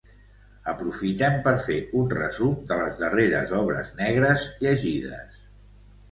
Aprofitem per fer un resum de les darreres obres negres llegides.